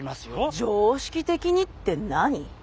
「常識的に」って何？